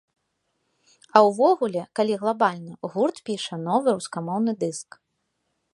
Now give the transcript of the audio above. А ўвогуле, калі глабальна, гурт піша новы рускамоўны дыск.